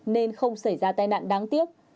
nên không xảy ra tai nạn đáng tiếc